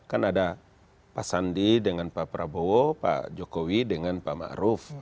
kan ada pak sandi dengan pak prabowo pak jokowi dengan pak ma'ruf